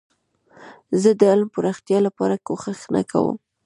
زه د علم د پراختیا لپاره کوښښ نه کوم.